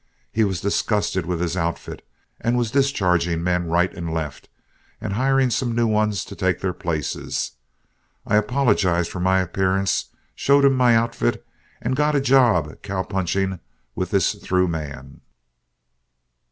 He was disgusted with his outfit, and was discharging men right and left and hiring new ones to take their places. I apologized for my appearance, showed him my outfit, and got a job cow punching with this through man.